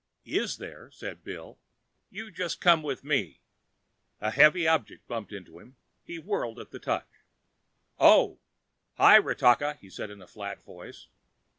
"Is there!" said Bill. "You just come with me ..." A heavy object bumped into him. He whirled at the touch. "Oh! Hi, Ratakka," Bill said in a flat voice.